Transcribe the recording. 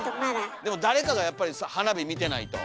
でも誰かがやっぱり花火見てないと。